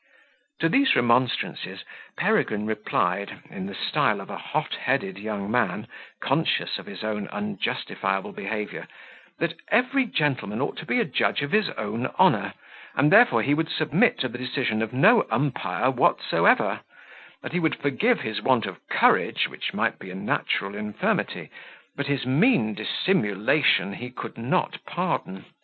To these remonstrances Peregrine replied, in the style of a hot headed young man, conscious of his own unjustifiable behaviour, that every gentleman ought to be a judge of his own honour and therefore he would submit to the decision of no umpire whatsoever; that he would forgive his want of courage, which might be a natural infirmity, but his mean dissimulation he could not pardon.